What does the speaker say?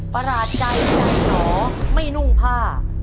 ประหลาดใจจากหนอไม่นุ่งผ้า